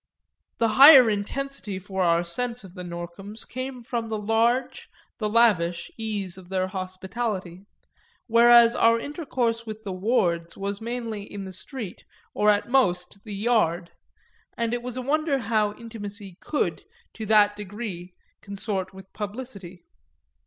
The higher intensity for our sense of the Norcoms came from the large, the lavish, ease of their hospitality; whereas our intercourse with the Wards was mainly in the street or at most the "yard" and it was a wonder how intimacy could to that degree consort with publicity.